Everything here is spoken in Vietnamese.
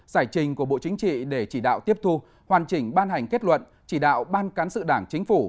giải trình của bộ chính trị để chỉ đạo tiếp thu hoàn chỉnh ban hành kết luận chỉ đạo ban cán sự đảng chính phủ